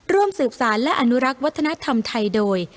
ร่วมสืบสารและอนุรักษ์วัฒนธรรมไทยโดย